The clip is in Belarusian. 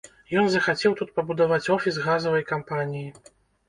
Ён захацеў тут пабудаваць офіс газавай кампаніі.